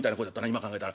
今考えたら。